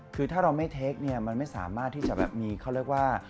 คือถ้าเราไม่เทคเนี่ยมันไม่สามารถที่จะแบบมีเขาเรียกว่า